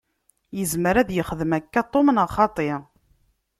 Izmer ad yexdem akka Tom, neɣ xaṭi?